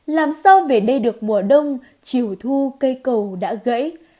làm sao về đây được mùa đông chiều thu cây cầu đã gãy